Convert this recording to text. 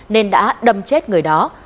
nên đã đâm chết người đó